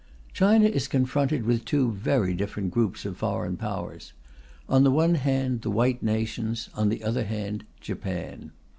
China is confronted with two very different groups of foreign Powers, on the one hand the white nations, on the other hand Japan.